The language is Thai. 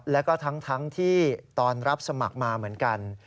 แล้วก็ทั้งที่ตอนรับสมัครมาเหมือนกัน